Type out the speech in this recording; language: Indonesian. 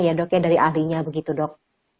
ya dok ya dari ahlinya begitu dok